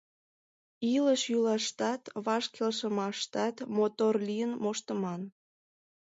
Илыш-йӱлаштат, ваш келшымаштат мотор лийын моштыман.